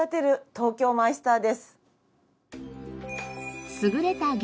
東京マイスター。